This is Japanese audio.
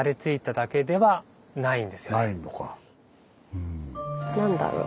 うん。何だろう？